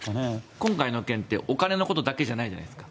今回の件ってお金のことだけじゃないじゃないですか。